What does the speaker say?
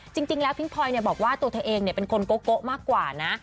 จริงจริงแล้วพิงพลอยเนี่ยบอกว่าตัวเธอเองเนี่ยเป็นคนโก๊ะโก๊ะมากกว่านะ